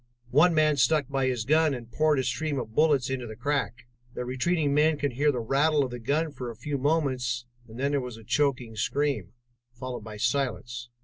One man stuck by his gun and poured a stream of bullets into the crack. The retreating men could hear the rattle of the gun for a few moments and then there was a choking scream, followed by silence.